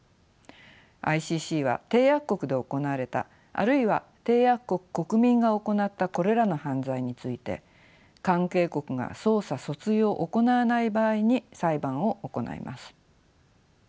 ＩＣＣは締約国で行われたあるいは締約国国民が行ったこれらの犯罪について関係国が捜査訴追を行わない場合に裁判を行います。